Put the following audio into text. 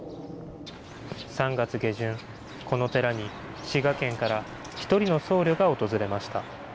３月下旬、この寺に滋賀県から一人の僧侶が訪れました。